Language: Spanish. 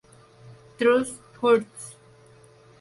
Trust hurts.